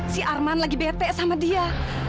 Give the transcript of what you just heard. si arman lagi brt sama dia